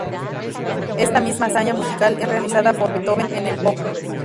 Esta misma hazaña musical es realizada por Beethoven en el op.